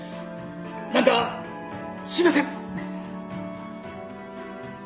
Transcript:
何かすいません！